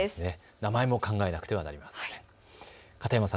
名前も考えなくてはなりません。